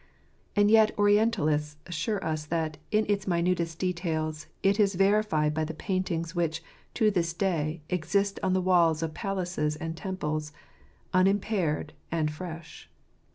And yet orientalists, assure us that, in its minutest details, it is verified by the paintings which;, to this day, exist on the walls of palaces and temples, unimpaired and fresh.